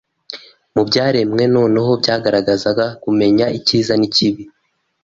Mu byaremwe noneho byagaragazaga kumenya icyiza n’ikibi